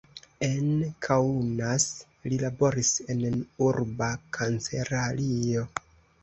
En Kaunas li laboris en urba kancelario.